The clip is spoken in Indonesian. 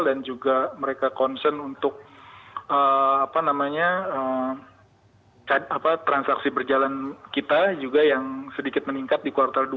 dan juga mereka concern untuk transaksi berjalan kita juga yang sedikit meningkat di kuartal dua